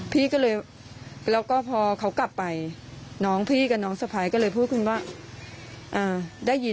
พี่ก็เลยแล้วก็พอเขากลับไปน้องพี่กับน้องสภัยก็เลยพูดคืนว่า